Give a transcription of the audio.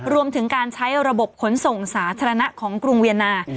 รวมถึงการใช้ระบบขนส่งสาธารณะของกรุงเวียนนา